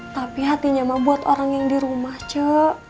tapi hatinya mah buat orang yang di rumah cu